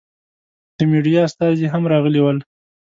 د مېډیا استازي هم راغلي ول.